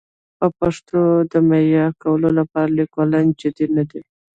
د پښتو د معیاري کولو لپاره لیکوالان جدي نه دي.